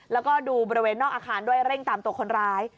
แล้วก็ดูบริเวณนอกอาคารด้วยเร่งตามตัวคนร้าย